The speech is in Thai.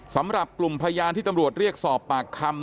สำหรับกลุ่มพยานที่ตำรวจเรียกสอบปากคำ